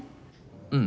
うん。